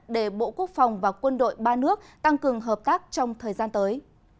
để bộ quốc phòng và quân đội ba nước tăng cường hợp tác trong thời gian tới